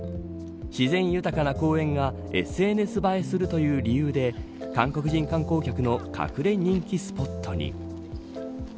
自然豊かな公園がＳＮＳ映えするという理由で韓国人観光客の隠れ人気スポットに。